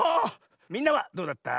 みんなはどうだった？